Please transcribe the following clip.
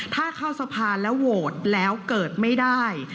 ถ้าเข้าสภาแล้วโหวตแล้วเกิดไม่ได้